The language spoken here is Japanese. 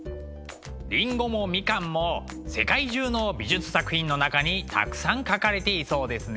りんごもみかんも世界中の美術作品の中にたくさん描かれていそうですね。